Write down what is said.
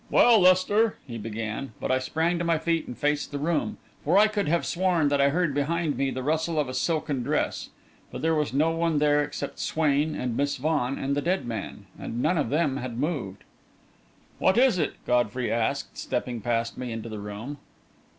"Well, Lester," he began; but I sprang to my feet and faced the room, for I could have sworn that I had heard behind me the rustle of a silken dress. But there was no one there except Swain and Miss Vaughan and the dead man and none of them had moved. "What is it?" Godfrey asked, stepping past me into the room.